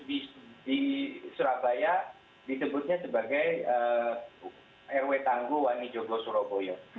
di surabaya disebutnya sebagai rw tanggu wani jogo surabaya